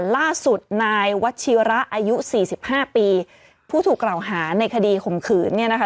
ล่าสุดนายวัชิระอายุสี่สิบห้าปีผู้ถูกกล่าวหาในคดีข่มขืนเนี่ยนะคะ